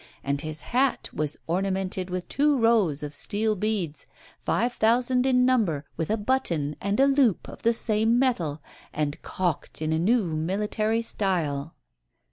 And his hat was ornamented with two rows of steel beads, five thousand in number, with a button and a loop of the same metal, and cocked in a new military style."